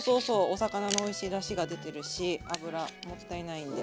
お魚のおいしいだしが出てるし油もったいないんで。